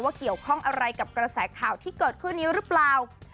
เกี่ยวข้องอะไรกับกระแสข่าวที่เกิดขึ้นนี้หรือเปล่า